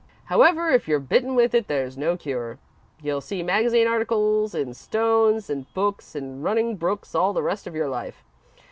"However, if you're bitten with it, there's no cure. You'll see magazine articles in stones and books in running brooks all the rest of your life.